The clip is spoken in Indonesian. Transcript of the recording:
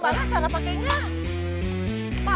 ini gimana cara pakainya